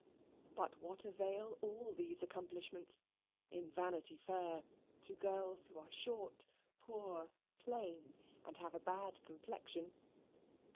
But what avail all these accomplishments, in Vanity Fair, to girls who are short, poor, plain, and have a bad complexion?